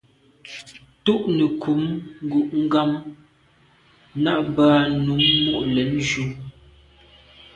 Ntù’ nekum ngu’ gham nà à be num mo’ le’njù.